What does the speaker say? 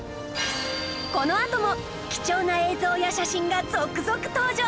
このあとも貴重な映像や写真が続々登場